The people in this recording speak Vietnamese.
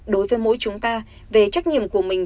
đối với mỗi chúng ta về trách nhiệm của mình